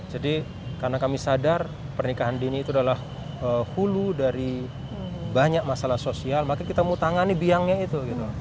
jadi karena kami sadar pernikahan dini itu adalah hulu dari banyak masalah sosial maka kita mau tangani biangnya itu